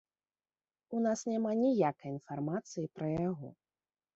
У нас няма ніякай інфармацыі пра яго.